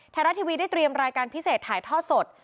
ไทยรัฐทีวีได้เตรียมรายการพิเศษถ่ายทอดสด